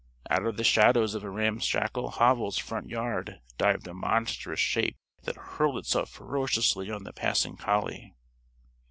Out of the shadows of a ramshackle hovel's front yard dived a monstrous shape that hurled itself ferociously on the passing collie.